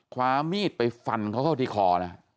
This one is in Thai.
ความีดไปฟั่นเขาเข้าที่คอนะ